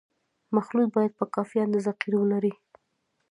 مخلوط باید په کافي اندازه قیر ولري